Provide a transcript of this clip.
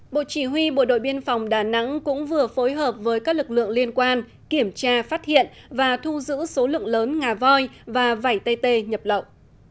bộ chỉ huy bộ đội biên phòng đà nẵng cũng vừa phối hợp với các lực lượng liên quan kiểm tra phát hiện và thu giữ số lượng lớn ngà voi và vẩy tê nhập lậu